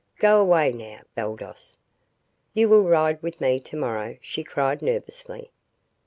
Go away now, Baldos. You will ride with me to morrow," she cried nervously.